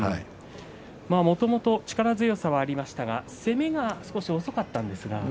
もともと力強さはありましたが攻めが少し遅かったんですね。